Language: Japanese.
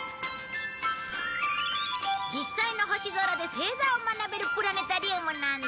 実際の星空で星座を学べるプラネタリウムなんだ。